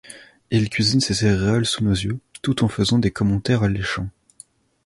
Il cuisine ses céréales sous nos yeux, tout en faisant des commentaires alléchants.